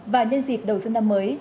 và nhân dịp đầu xuân năm mới